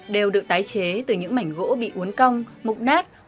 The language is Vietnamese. đều được tái chế từ những mảnh gỗ bị uốn cong mục nát